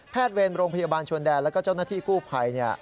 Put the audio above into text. เวรโรงพยาบาลชวนแดนแล้วก็เจ้าหน้าที่กู้ภัย